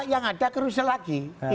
yang ada harusnya lagi